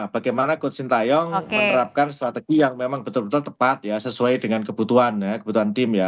bagaimana coach sintayong menerapkan strategi yang memang betul betul tepat ya sesuai dengan kebutuhan ya kebutuhan tim ya